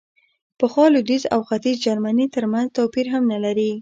پخوا لوېدیځ او ختیځ جرمني ترمنځ توپیر هم نه لري.